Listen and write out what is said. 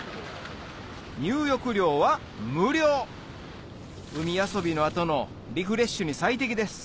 入浴料は無料海遊びの後のリフレッシュに最適です